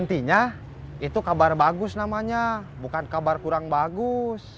jadi gantinya itu kabar bagus namanya bukan kabar kurang bagus